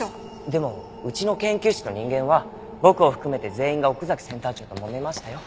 でもうちの研究室の人間は僕を含めて全員が奥崎センター長ともめましたよ。